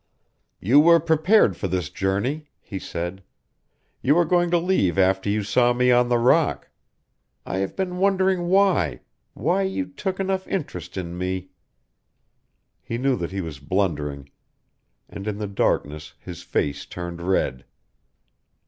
"You were prepared for this journey," he said. "You were going to leave after you saw me on the rock. I have been wondering why why you took enough interest in me " He knew that he was blundering, and in the darkness his face turned red.